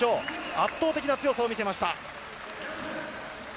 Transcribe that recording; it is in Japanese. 圧倒的な強さを見せました。